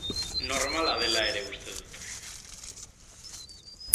Normala dela ere uste dut.